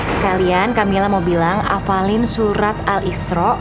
sekalian kamila mau bilang hafalin surat al isra